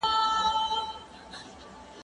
زه اوس د تکړښت لپاره ځم.